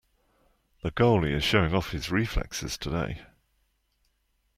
The goalie is showing off his reflexes today.